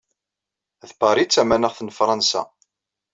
D Paris i d tamanaɣt n Fransa.